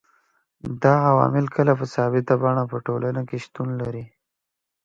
دا عوامل کله په ثابته بڼه په ټولنه کي شتون لري